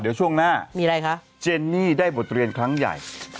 เดี๋ยวช่วงหน้าคนนี้ได้บทเรียนครั้งใหญ่